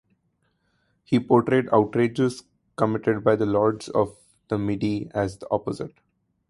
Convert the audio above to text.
He portrayed outrages committed by the lords of the Midi as the opposite.